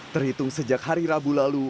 terhitung sejak hari rabu lalu